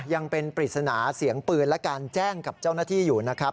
ยังเป็นปริศนาเสียงปืนและการแจ้งกับเจ้าหน้าที่อยู่นะครับ